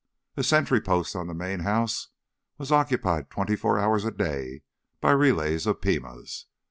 A sentry post on the main house was occupied twenty four hours a day by relays of Pimas.